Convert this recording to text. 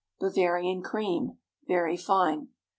BAVARIAN CREAM (_Very fine.